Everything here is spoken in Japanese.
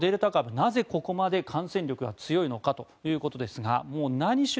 なぜここまで感染力が強いのかということですがもう何しろ